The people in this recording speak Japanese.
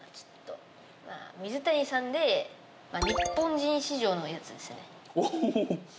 水谷さんで日本人史上のやつですねおぉっ！